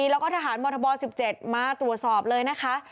แล้วก็ทหารมธบ๑๗มาตรวจสอบเลยนะคะ